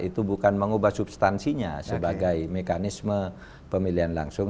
itu bukan mengubah substansinya sebagai mekanisme pemilihan langsung